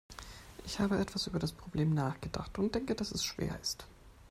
Ich habe etwas über das Problem nachgedacht und denke, dass es schwer ist.